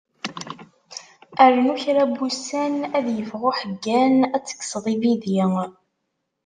Rnu kra n wussan ad yeffeɣ uḥeggan, ad tekkseḍ ibidi.